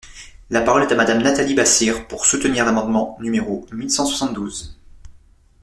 La parole est à Madame Nathalie Bassire, pour soutenir l’amendement numéro mille cent soixante-douze.